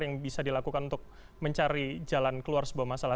yang bisa dilakukan untuk mencari jalan keluar sebuah masalah